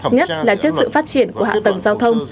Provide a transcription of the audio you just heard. nhất là trước sự phát triển của hạ tầng giao thông